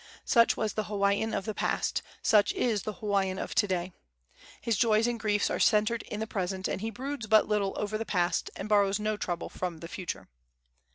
Such was the Hawaiian of the past; such is the Hawaiian of to day. His joys and griefs are centred in the present, and he broods but little over the past, and borrows no trouble from the future.